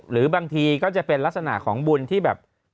หรือบางทีก็จะเป็นลักษณะของบุญที่แบบ